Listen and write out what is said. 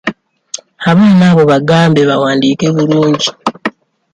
Abaana abo bagambe bawandiike bulungi.